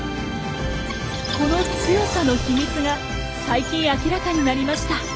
この強さの秘密が最近明らかになりました。